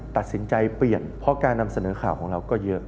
ตัดสินใจเปลี่ยนเพราะการนำเสนอข่าวของเราก็เยอะ